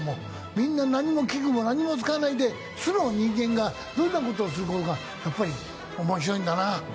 みんな何も器具も何も使わないで素の人間がどんな事をする事かやっぱり面白いんだなうん。